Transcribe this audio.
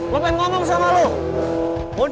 tunggu gue terangin